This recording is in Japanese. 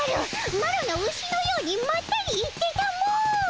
マロのウシのようにまったり行ってたも！